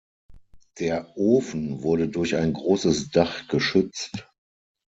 Der Ofen wurde durch ein großes Dach geschützt.